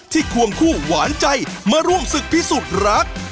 ควงคู่หวานใจมาร่วมศึกพิสูจน์รัก